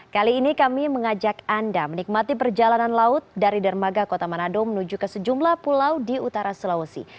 kali ini kami mengajak anda menikmati perjalanan laut dari dermaga kota manado menuju ke sejumlah pulau di utara sulawesi